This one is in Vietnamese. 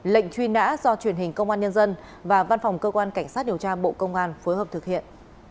lệnh truy nã do truyền hình công an nhân dân và văn phòng cơ quan cảnh sát điều tra bộ công an phối hợp thực hiện